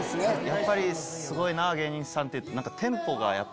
やっぱりすごいな芸人さんって。